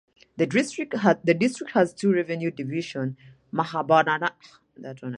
The district has two revenue divisions of Mahabubnagar and Narayanpet.